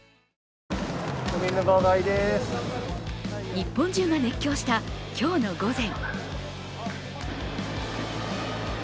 日本中が熱狂した今日の午前。